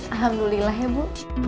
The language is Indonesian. alhamdulillah ya bu